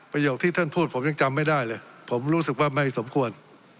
โยคที่ท่านพูดผมยังจำไม่ได้เลยผมรู้สึกว่าไม่สมควร